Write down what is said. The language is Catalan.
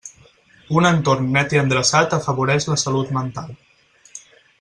Un entorn net i endreçat afavoreix la salut mental.